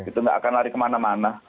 itu nggak akan lari kemana mana